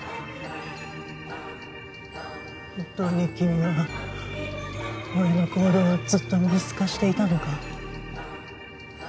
本当に君は俺の行動をずっと見透かしていたのか？